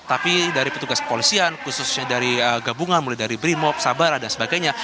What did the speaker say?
tapi dari petugas kepolisian khususnya dari gabungan mulai dari brimob sabara dan sebagainya